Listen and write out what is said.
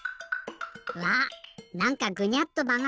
うわっなんかぐにゃっとまがってる！